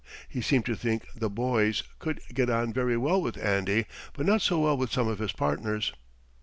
He seemed to think "the boys" could get on very well with "Andy" but not so well with some of his partners.